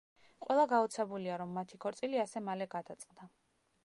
ყველა გაოცებულია, რომ მათი ქორწილი ასე მალე გადაწყდა.